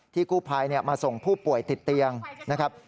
กู้ภัยมาส่งผู้ป่วยติดเตียงนะครับ